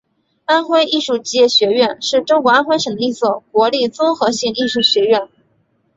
安徽艺术职业学院是中国安徽省的一所国立综合性艺术学院。